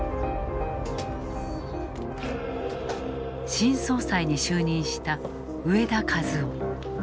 新総裁に就任した植田和男。